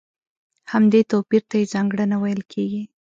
همدې توپير ته يې ځانګړنه ويل کېږي.